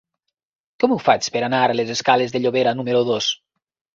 Com ho faig per anar a la escales de Llobera número dos?